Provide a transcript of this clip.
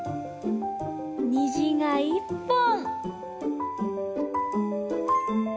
にじが一本！